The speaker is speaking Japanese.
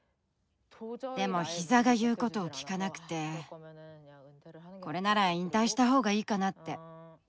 でもひざが言うことを聞かなくてこれなら引退した方がいいかなって。